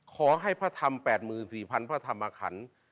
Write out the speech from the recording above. ขอให้พระธรรม๘๔๐๐๐พระธรรมคัน